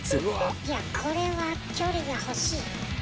いやこれは距離が欲しい。